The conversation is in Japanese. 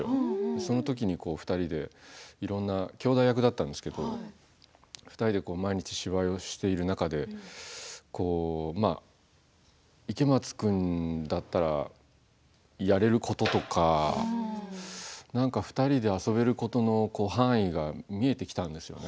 そのときに２人で、いろんな兄弟役だったんですけど２人で毎日、芝居をしている中で池松君だったらやれることとかなんか２人で遊べることの範囲が見えてきたんですよね。